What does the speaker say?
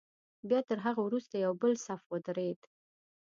بیا تر هغه وروسته یو بل صف ودرېد.